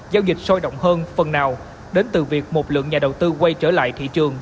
giao dịch sôi động hơn phần nào đến từ việc một lượng nhà đầu tư quay trở lại thị trường